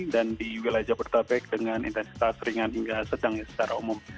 dan di wilayah jabodetabek dengan intensitas ringan hingga sedang secara umum